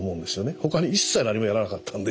ほかに一切何もやらなかったんで。